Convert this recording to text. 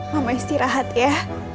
mama istirahat ya